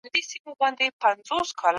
اجتماعي عدالت ته اړتیا لرو.